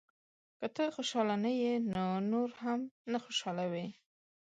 • که ته خوشحاله نه یې، نو نور هم نه خوشحالوې.